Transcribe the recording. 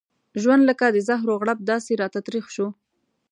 ژوند لکه د زهرو غړپ داسې راته تريخ شو.